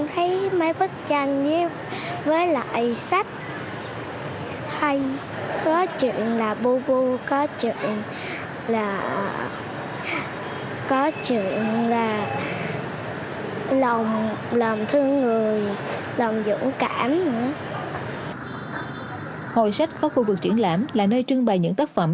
hội sách có khu vực triển lãm là nơi trưng bày những tác phẩm